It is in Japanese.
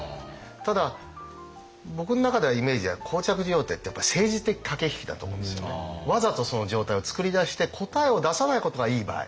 ただ僕の中ではイメージではわざとその状態を作り出して答えを出さないことがいい場合。